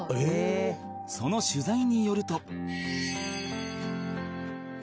その取材によると